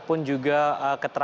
sampai jumpa di video selanjutnya